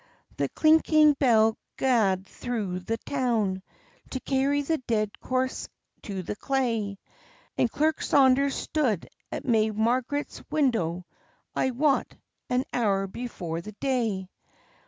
The clinking bell gaed through the town, To carry the dead corse to the clay; And Clerk Saunders stood at may Margaret's window, I wot, an hour before the day.